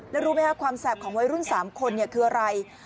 แล้วรู้ไหมคะความแสบของวัยรุ่น๓คนคืออะไร